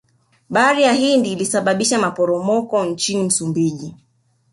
bahari ya hindi ilisababisha maporomoko nchini msumbiji